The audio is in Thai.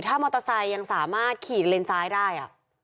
ถ้ามอเตอร์ไซค์ยังสามารถขี่เลนซ้ายได้